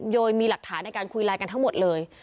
โดยมีหลักฐานในการคุยไลน์กันทั้งหมดเลย